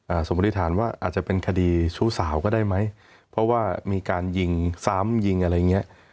สมมุติฐานว่าอาจจะเป็นคดีชู้สาวก็ได้ไหมเพราะว่ามีการยิงซ้ำยิงอะไรอย่างเงี้ย